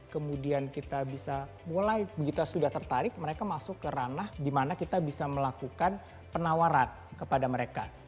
kemudian kita bisa mulai begitu sudah tertarik mereka masuk ke ranah di mana kita bisa melakukan penawaran kepada mereka